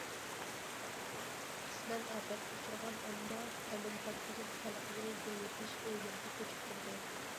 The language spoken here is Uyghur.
قىسمەن ئاپەتكە ئۇچرىغان ئامما ئەمىن تاپقۇزۇپ خەلقنى بېيىتىش ئۆيلىرىگە كۆچۈپ كىردى.